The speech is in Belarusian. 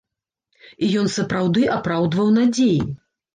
І ён сапраўды апраўдваў надзеі.